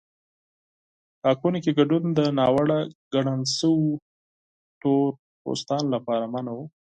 ټاکنو کې ګډون د ناوړه ګڼل شویو تور پوستانو لپاره منع و.